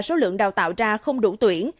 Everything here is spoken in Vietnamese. số lượng đào tạo ra không đủ tuyển